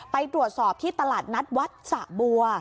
ไปตรวจสอบที่ตลาดนัดวัดสะบัว